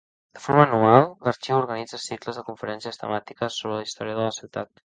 De forma anual, l'arxiu organitza cicles de conferències temàtiques sobre la història de la ciutat.